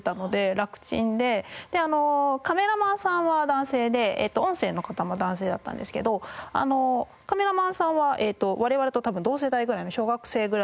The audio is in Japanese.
でカメラマンさんは男性で音声の方も男性だったんですけどカメラマンさんは我々と多分同世代ぐらいの小学生ぐらいのお子さんがいて。